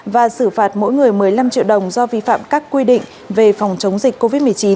và xử phạt mỗi người một mươi năm triệu đồng do vi phạm các quy định về phòng chống dịch covid một mươi chín